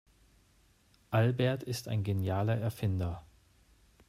Albert ist ein genialer Erfinder.